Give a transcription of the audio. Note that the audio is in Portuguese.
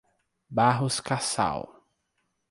Barros Cassal